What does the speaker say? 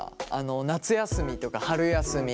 夏休みとか春休み。